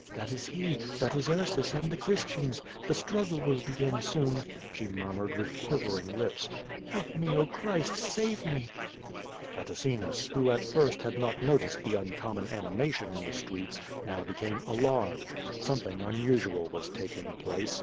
"That is he! That is Ursus and the Christians! The struggle will begin soon,'' she mur mured, with quivering lips. "Help me. Oh Christ, save me!"' Atacinus, who at first had not noticed the uncommon ani mation in the streets, now became alarmed. Something un usual was taking place.